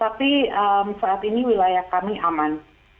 tapi saat ini wilayah kami aman